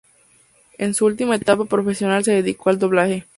En su última etapa profesional se dedicó al doblaje.